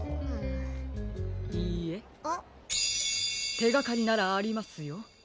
てがかりならありますよ。